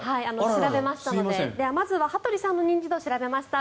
調べましたのでまずは羽鳥さんの認知度を調べました。